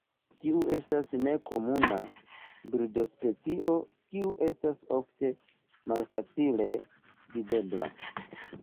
Tiu estas nekomuna birdospecio kiu estas ofte malfacile videbla.